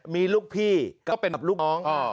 มีลูกพี่ก็เป็นลูกน้อง